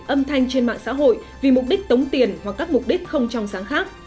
âm thanh trên mạng xã hội vì mục đích tống tiền hoặc các mục đích không trong sáng khác